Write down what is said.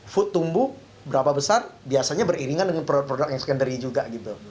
food tumbuh berapa besar biasanya beriringan dengan produk produk yang secondary juga gitu